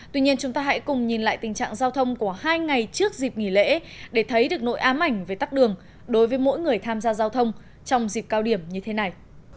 tuy nhiên chúng ta hãy cùng nhìn lại tình trạng giao thông của hai ngày trước dịp nghỉ lễ để thấy được nội ám ảnh về tắt đường đối với mỗi người tham gia giao thông trong dịp cao điểm như thế này